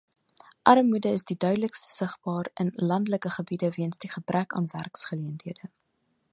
Armoede is die duidelikste sigbaar in landelike gebiede weens die gebrek aan werksgeleenthede.